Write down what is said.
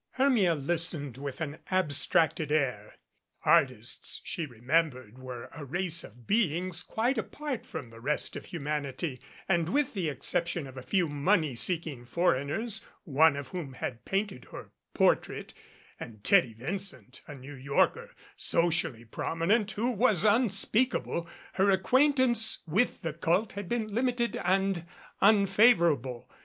Hermia listened with an abstracted air. Artists she remembered were a race of beings quite apart from the rest of humanity and with the exception of a few money seeking foreigners, one of whom had painted her portrait, and Teddy Vincent, a New Yorker socially prominent (who was unspeakable), her acquaintance with the cult had been limited and unfavorable.